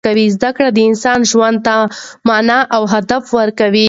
زده کړه د انسان ژوند ته مانا او هدف ورکوي.